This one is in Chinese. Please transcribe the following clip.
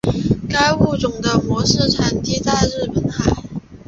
该物种的模式产地在日本海。